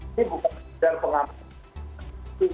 ini bukan sejarah pengakuan